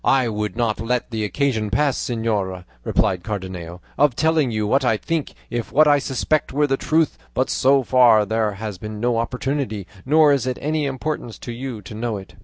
"I would not let the occasion pass, señora," replied Cardenio, "of telling you what I think, if what I suspect were the truth, but so far there has been no opportunity, nor is it of any importance to you to know it."